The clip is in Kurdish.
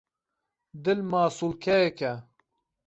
Dil masûlkeyek e.